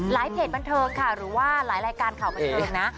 เพจบันเทิงค่ะหรือว่าหลายรายการข่าวบันเทิงนะ